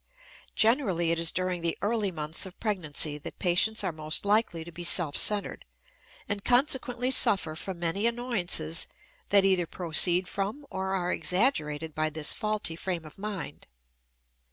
Generally it is during the early months of pregnancy that patients are most likely to be self centered, and consequently suffer from many annoyances that either proceed from or are exaggerated by this faulty frame of mind.